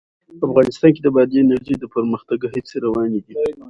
افغانستان کې د بادي انرژي د پرمختګ هڅې روانې دي.